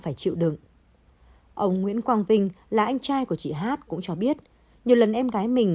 phải chịu đựng ông nguyễn quang vinh là anh trai của chị hát cũng cho biết nhiều lần em gái mình